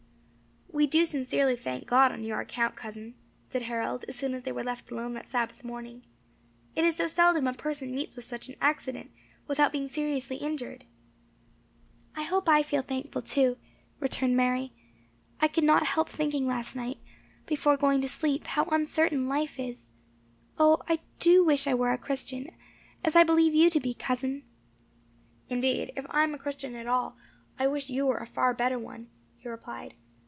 "We do sincerely thank God, on your account, cousin," said Harold, as soon as they were left alone that Sabbath morning. "It is so seldom a person meets with such an accident, without being seriously injured." "I hope I feel thankful, too," returned Mary. "I could not help thinking last night, before going to sleep, how uncertain life is. O, I do wish I were a Christian, as I believe you to be, cousin." "Indeed, if I am a Christian at all, I wish you were a far better one," he replied.